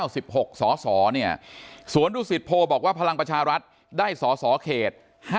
สสเนี่ยสวนทุกสิทธิ์โพบอกว่าพลังประชารัฐได้สสเขต๕๓